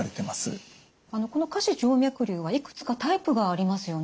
この下肢静脈瘤はいくつかタイプがありますよね。